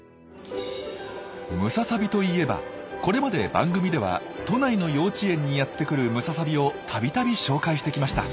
ムササビといえばこれまで番組では都内の幼稚園にやってくるムササビをたびたび紹介してきました。